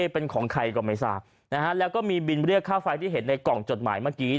เป็นของใครก็ไม่ทราบนะฮะแล้วก็มีบินเรียกค่าไฟที่เห็นในกล่องจดหมายเมื่อกี้